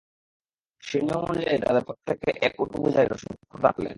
সে নিয়ম অনুযায়ী তাদের প্রত্যেককে এক উট বোঝাই রসদ প্রদান করলেন।